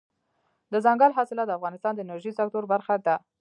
دځنګل حاصلات د افغانستان د انرژۍ سکتور برخه ده.